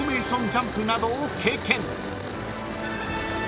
ジャンプなどを経験］